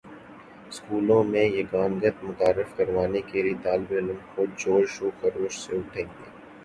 سکولوں میں یگانگت متعارف کروانے کے لیے طالب علم خود جوش و خروش سے اٹھیں گے